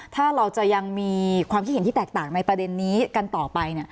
ถ้าเราจะยังมีความคิดเห็นที่แตกต่างในประเด็นนี้กันต่อไป